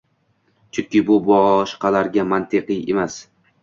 Chunki bu boshqalarga mantiqiy emas